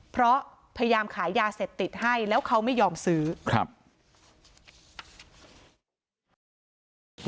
เพราะพยายามขายยาเสพติดให้แล้วเขาไม่ยอมซื้อครับ